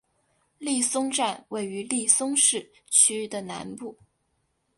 利松站位于利松市区的南部。